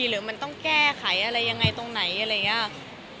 หรือมันต้องแก้ไขอะไรยังไงตรงไหนอะไรอย่างนี้